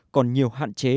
còn nhiều hạn chế